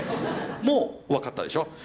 もう分かったでしょ？